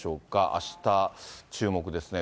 あした注目ですね。